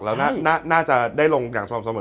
เราน่าจะได้ลงอย่างสม่ำเสมอ